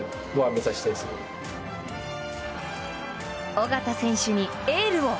緒方選手にエールを！